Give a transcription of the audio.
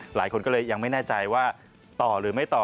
หลายคนก็เลยยังไม่แน่ใจว่าต่อหรือไม่ต่อ